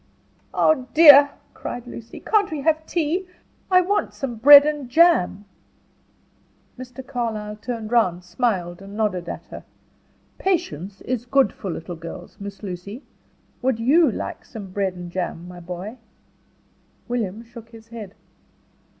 "Oh, dear!" cried Lucy, "can't we have tea? I want some bread and jam." Mr. Carlyle turned round, smiled and nodded at her. "Patience is good for little girls, Miss Lucy. Would you like some bread and jam, my boy?" William shook his head.